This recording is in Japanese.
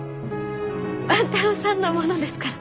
万太郎さんのものですから。